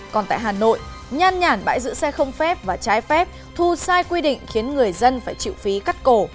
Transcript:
còn tại hà nội nhan nhản bãi giữ xe không phép và trái phép thu sai quy định khiến người dân phải chịu phí cắt cổ